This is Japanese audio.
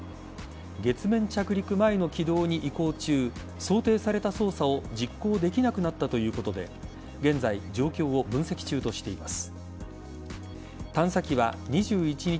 月面着陸前の軌道に移行中想定された操作を実行できなくなったということで現在、状況を分析中としています。